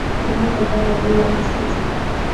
Kinaga ubaga bila kusita.